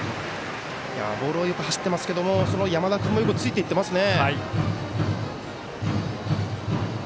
ボールはよく走ってますけれども山田君もよくついていってますね。